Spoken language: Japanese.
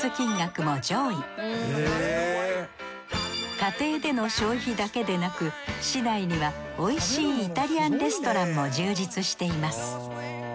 家庭での消費だけでなく市内にはおいしいイタリアンレストランも充実しています。